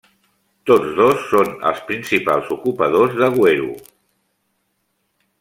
Tots dos són els principals ocupadors de Gweru.